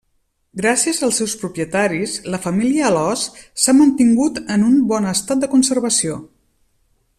Gràcies als seus propietaris, la família Alòs, s'ha mantingut en un bon estat de conservació.